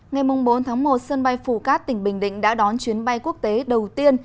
ngày bốn tháng một sân bay phuket tỉnh bình định đã đón chuyến bay quốc tế đầu tiên